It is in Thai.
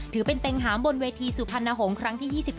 ถือเป็นเต็งหามบนเวทีสุพรรณหงษ์ครั้งที่๒๙